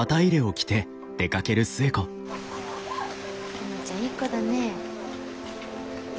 園ちゃんいい子だね。